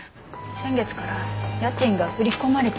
先月から家賃が振り込まれてないって。